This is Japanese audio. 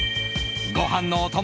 ご飯のお供